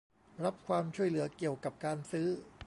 รับความช่วยเหลือเกี่ยวกับการซื้อ